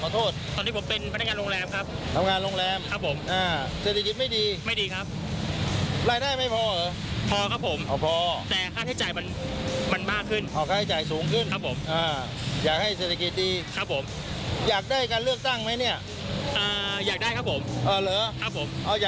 ต้องการให้เศรษฐกิจดีกว่านี้แล้วอยากได้เงินเยอะมาใช้หนี้ค่ะ